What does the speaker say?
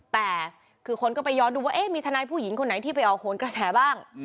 แต่คือคนก็ไปย้อนดูว่ามีทนายผู้หญิงคนไหนที่ไปออกโหนกระแสบ้าง